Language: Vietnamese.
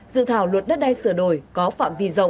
dự thảo luật đất đai sửa đổi có phạm vi rộng